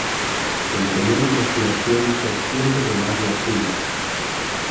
El período de floración se extiende de mayo a julio.